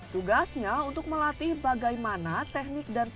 tugasnya untuk melatih bagaimana teknik dan teknologi